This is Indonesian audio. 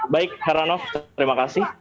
baik heranov terima kasih